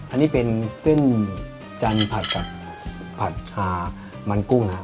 อันนี้เป็นเส้นจันทร์ผัดกับผัดชามันกุ้งนะครับ